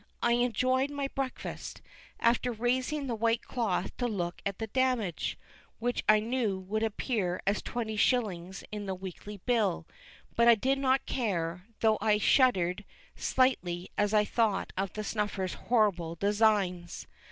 I enjoyed my breakfast, after raising the white cloth to look at the damage, which I knew would appear as twenty shillings in the weekly bill; but I did not care, though I shuddered slightly as I thought of the snuffers' horrible designs.